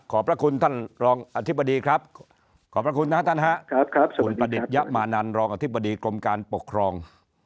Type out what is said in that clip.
พระคุณท่านรองอธิบดีครับขอบพระคุณนะท่านครับคุณประดิษฐยะมานันรองอธิบดีกรมการปกครอง